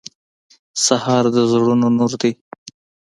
سهار د زړونو نور ده.